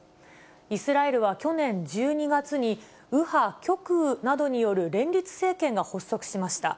イスラエルは去年１２月に、右派・極右などによる連立政権が発足しました。